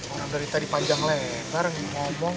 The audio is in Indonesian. orang dari tadi panjang lebar ngomong